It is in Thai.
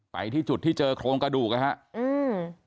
ไปที่จุดที่เจอโครงกระดูกนะครับอืม